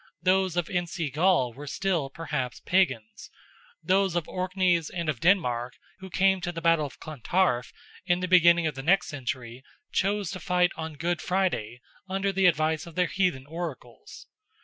Those of Insi Gall were still, perhaps, Pagans; those of the Orkneys and of Denmark, who came to the battle of Clontarf in the beginning of the next century, chose to fight on Good Friday under the advice of their heathen Oracles.